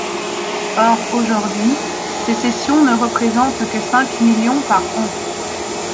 Or aujourd’hui, ces cessions ne représentent que cinq millions par an.